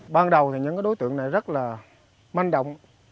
ban đầu thì những đối tượng này rất là manh động